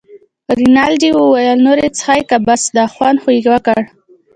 رینالډي وویل: نور یې څښې که بس ده، خوند خو یې وکړ.